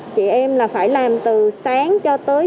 chị em phải làm từ sáng cho tới